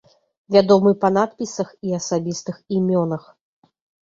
Вядомы па надпісах і асабістых імёнах.